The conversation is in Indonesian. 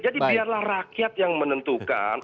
jadi biarlah rakyat yang menentukan